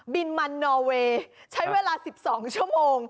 บินมันนอเวย์ใช้เวลา๑๒ชั่วโมง